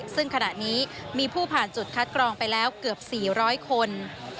ซึ่งขณะนี้มีผู้ผ่านจุดคัดกรองไปแล้วเกือบ๔๐๐คน